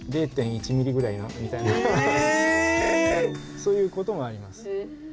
そういうこともあります。